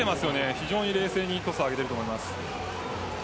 非常に冷静にトスを上げています。